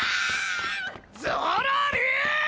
ゾロリ！